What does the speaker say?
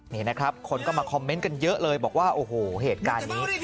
นี่นะครับคนก็มาคอมเมนต์กันเยอะเลยบอกว่าโอ้โหเหตุการณ์นี้